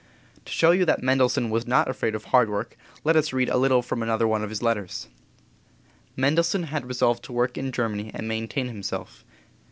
To show you that Mendelssohn was not afraid of hard work let us read a little from another of his letters. Mendelssohn had resolved to work in Germany and maintain himself.